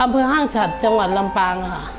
พื้นห้างฉัดจังหวัดลำปางอะค่ะ